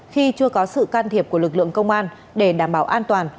khi chưa có sự can thiệp của lực lượng công an để đảm bảo an toàn